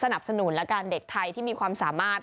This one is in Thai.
สนับสนุนแล้วกันเด็กไทยที่มีความสามารถ